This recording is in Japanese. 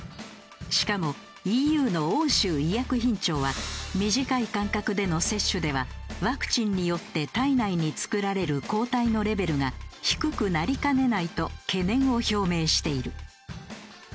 しかもＥＵの欧州医薬品庁は短い間隔での接種ではワクチンによって体内に作られる抗体のレベルが低くなりかねないと懸念を表明している。